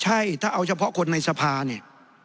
ใช่ถ้าเอาเฉพาะคนในสภาเนี่ย